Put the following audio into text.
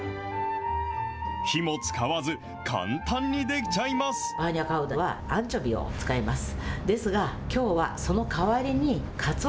火も使わず簡単にできちゃいます。